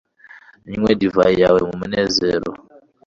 nywe divayi yawe mu munezero